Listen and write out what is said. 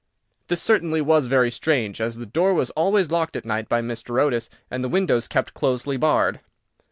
This certainly was very strange, as the door was always locked at night by Mr. Otis, and the windows kept closely barred.